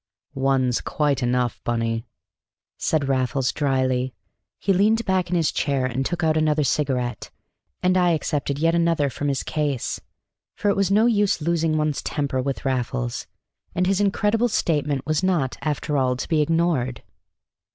"One's quite enough, Bunny," said Raffles dryly; he leaned back in his chair and took out another cigarette. And I accepted of yet another from his case; for it was no use losing one's temper with Raffles; and his incredible statement was not, after all, to be ignored.